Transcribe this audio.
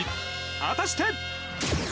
果たして。